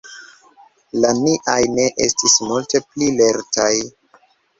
La niaj ne estis multe pli lertaj.